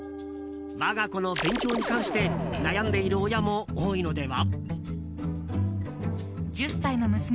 我が子の勉強に関して悩んでいる親も多いのでは。